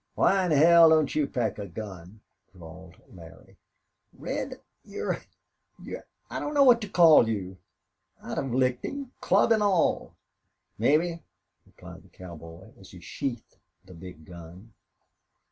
"Why in hell don't you pack a gun?" drawled Larry. "Red, you're you're I don't know what to call you. I'd have licked him, club and all." "Mebbe," replied the cowboy, as he sheathed the big gun.